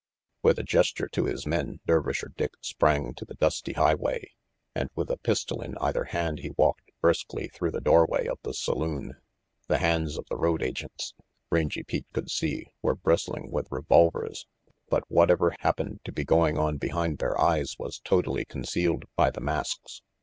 With a gesture to his men, Dervisher Dick sprang to the dusty highway, and with a pistol in either hand he walked briskly through the doorway of the saloon. The hands of the road agents, Rangy Pete could see, were bristling with revolvers, but whatever happened to be going on behind their eyes was totally concealed by the masks.